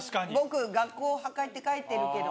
「学校を破壊」って書いてるけど。